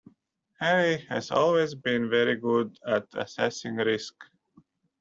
Harry has always been very good at assessing risk